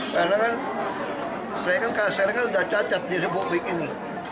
karena kan saya kan kasernya sudah cacat di republik ini